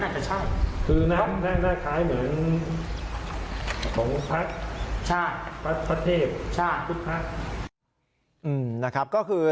นั้นแค่แม่งฝังพระสาทเทพแชอว์